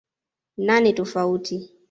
nane tofauti